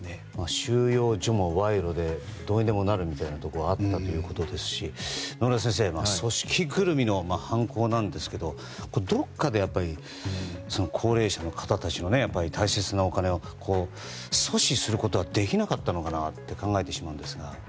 収容所も賄賂でどうにでもなるみたいなところがあったということですし野村先生、組織ぐるみの犯行なんですけどどこかで高齢者の方たちの大切なお金を阻止することはできなかったのかと考えるんですが。